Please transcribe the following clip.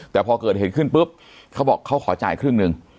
แต่พอเมื่อแผ่นเกิดก็เขาบอกเขาขอจ่ายครึ่งหนึ่ง